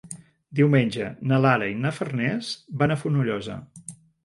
Diumenge na Lara i na Farners van a Fonollosa.